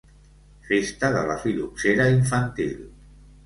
Festa de la Fil·loxera Infantil.